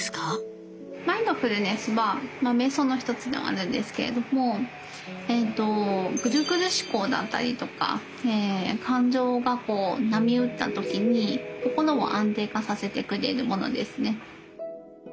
マインドフルネスは瞑想の一つでもあるんですけれどもぐるぐる思考だったりとか感情がこう波打った時に心を安定化させてくれるものですね。